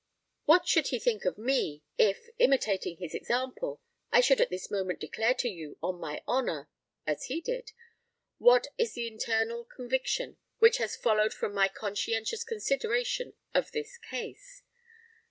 What would he think of me, if, imitating his example, I should at this moment declare to you, on my honour, as he did, what is the internal conviction which has followed from my conscientious consideration of this case?